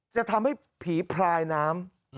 จะทำให้ผีพลายน้ำ